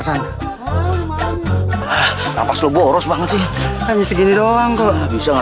sampai jumpa di video selanjutnya